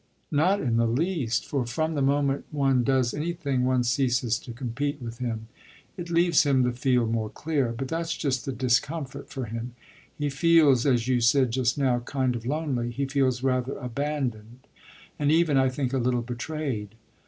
"Not in the least, for from the moment one does anything one ceases to compete with him. It leaves him the field more clear. But that's just the discomfort for him he feels, as you said just now, kind of lonely: he feels rather abandoned and even, I think, a little betrayed.